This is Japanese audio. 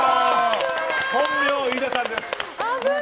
本名、飯田さんです。